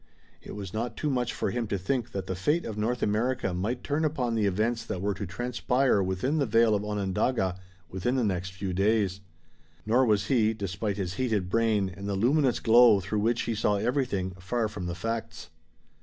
It was not too much for him to think that the fate of North America might turn upon the events that were to transpire within the vale of Onondaga within the next few days. Nor was he, despite his heated brain, and the luminous glow through which he saw everything, far from the facts.